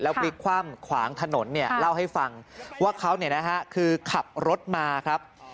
พลิกคว่ำขวางถนนเนี่ยเล่าให้ฟังว่าเขาคือขับรถมาครับ